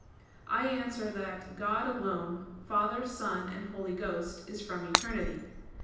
I answer that, God alone, Father, Son and Holy Ghost, is from eternity.